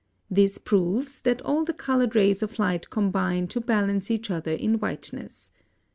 This proves that all the colored rays of light combine to balance each other in whiteness.